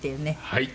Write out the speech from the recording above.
はい。